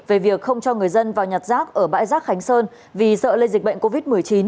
về việc không cho người dân vào nhặt rác ở bãi rác khánh sơn vì sợ lây dịch bệnh covid một mươi chín